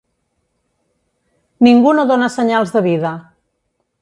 Ningú no dóna senyals de vida.